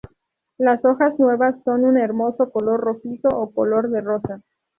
Las hojas nuevas son un hermoso color rojizo o color de rosa.